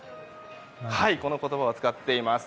この言葉を使っています。